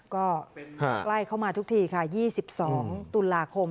ก็ใกล้เข้ามาทุกทีค่ะ๒๒ตุลาคม